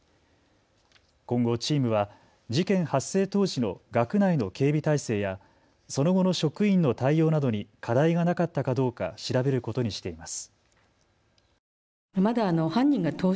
今後、チームは事件発生当時の学内の警備態勢やその後の職員の対応などに課題がなかったかどうか調べることにしています。